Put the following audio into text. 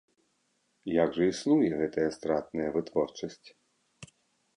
Як жа існуе гэтая стратная вытворчасць?